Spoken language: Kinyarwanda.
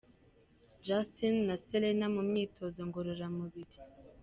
Justin na Selena mu myitozo ngororamubiri.